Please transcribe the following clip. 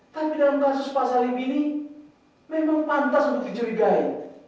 kan di dalam kasus pak salim ini memang pantas untuk dicurigai